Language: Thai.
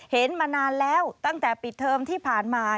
เห็นมานานแล้วตั้งแต่ปิดเทอมที่ผ่านมา